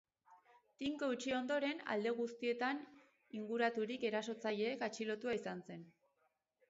Tinko eutsi ondoren, alde guztietan inguraturik erasotzaileek atxilotua izan zen.